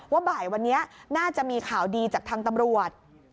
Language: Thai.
บ่ายวันนี้น่าจะมีข่าวดีจากทางตำรวจ